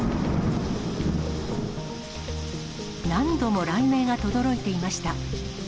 何度も雷鳴がとどろいていました。